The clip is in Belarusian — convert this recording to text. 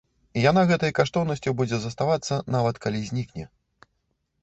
І яна гэтай каштоўнасцю будзе заставацца, нават калі знікне.